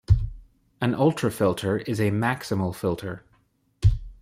An ultrafilter is a maximal filter.